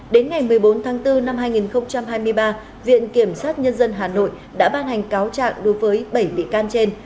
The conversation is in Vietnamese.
đến ngày một mươi bốn tháng bốn năm hai nghìn hai mươi ba viện kiểm sát nhân dân hà nội đã ban hành cáo trạng đối với bảy bị can trên